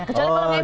kecuali kalau mc